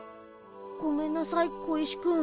ごめんなさい小石くん。